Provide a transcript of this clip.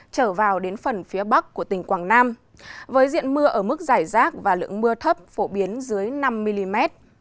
trở vào đến phần phía bắc của tỉnh quảng nam với diện mưa ở mức giải rác và lượng mưa thấp phổ biến dưới năm mm